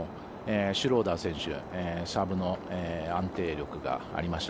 シュローダー選手サーブの安定力がありました。